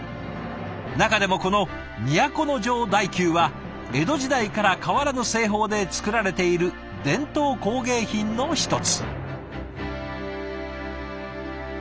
中でもこの都城大弓は江戸時代から変わらぬ製法で作られている伝統工芸品の一つ。